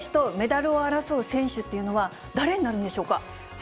宇野選手とメダルを争う選手っていうのは、誰になるんでしょうか？